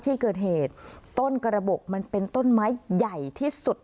ที่เกิดเหตุต้นกระบบมันเป็นต้นไม้ใหญ่ที่สุด